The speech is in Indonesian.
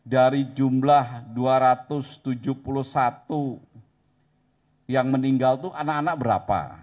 dari jumlah dua ratus tujuh puluh satu yang meninggal itu anak anak berapa